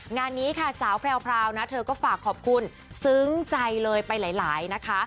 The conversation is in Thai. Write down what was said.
งานนี้ค่ะสาวแพรวนะเธอก็ฝากขอบคุณซึ้งใจเลยไปหลายนะคะ